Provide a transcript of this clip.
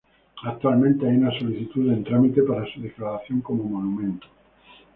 Actualmente hay una solicitud en trámite para su declaración como monumento.